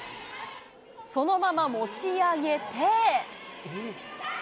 そのまま持ち上げて。